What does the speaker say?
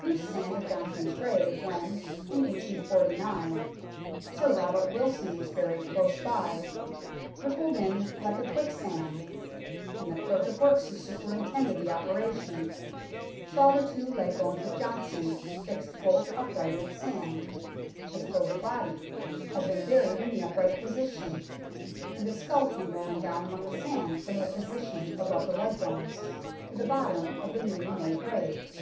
Loose sand of Jonson's grave when, in 1849, Sir Robert Wilson was buried close by, " rippled in like a quicksand," and the clerk of works who superintended the operation " saw the two leg bones of Jonson, fixed bolt upright in the sand, as though the body had been buried in the up 195 right position ; and the skull came rolling down among the sand, from a position above the leg bones, to the bottom of the newly made grave.